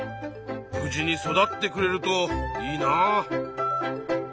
無事に育ってくれるといいなあ。